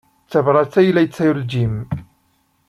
D tabṛat ay la yettaru Jim?